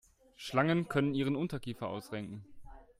Schlangen können ihren Unterkiefer ausrenken.